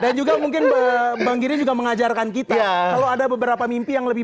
dan juga mungkin mbak giring juga mengajarkan kita kalau ada beberapa mimpi yang lebih